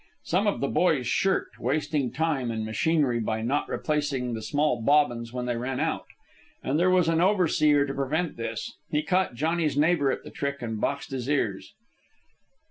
Some of the boys shirked, wasting time and machinery by not replacing the small bobbins when they ran out. And there was an overseer to prevent this. He caught Johnny's neighbour at the trick, and boxed his ears.